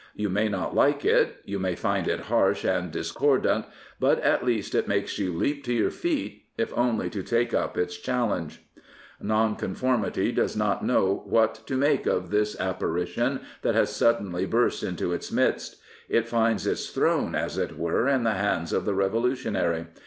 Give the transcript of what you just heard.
You may not like it. You may find it harsh and discordant. But at least it makes you leap to your feet, if only to take up its challenge. Nonconformity does not know what to make of this apparition that has suddenly burst into its midst. It finds its throne, as it were, in the hands of the revolu tionary.